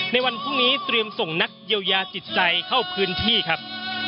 ในวันพรุ่งนี้เตรียมส่งนักเยียวยาจิตใจเข้าพื้นที่ครับ